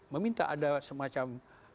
meminta ada semacam